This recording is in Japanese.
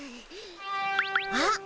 あっ！